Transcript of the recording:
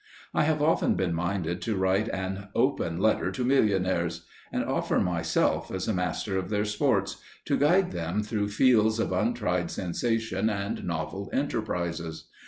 I have often been minded to write an "Open Letter to Millionaires," and offer myself as a Master of their Sports, to guide them through fields of untried sensation and novel enterprises.